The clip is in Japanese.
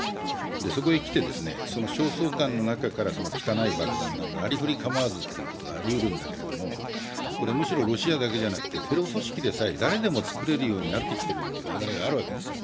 そこへ来て、その焦燥感の中から汚い爆弾、なりふり構わずということがありうるんだけれども、むしろロシアだけじゃなく、テロ組織でさえ誰でも作れるようになってきたという流れがあるわけですよ。